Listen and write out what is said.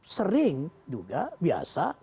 sering juga biasa